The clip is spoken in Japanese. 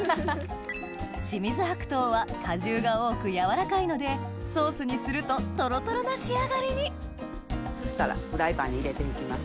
清水白桃は果汁が多く柔らかいのでソースにするとトロトロの仕上がりにそしたらフライパンに入れていきます。